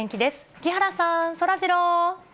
木原さん、そらジロー。